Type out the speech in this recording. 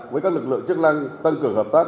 với các lực lượng chức năng tăng cường hợp tác